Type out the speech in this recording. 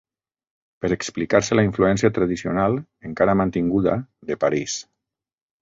Per explicar-se la influència tradicional, encara mantinguda, de París.